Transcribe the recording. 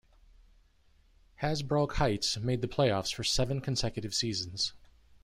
Hasbrouck Heights made the playoffs for seven consecutive seasons.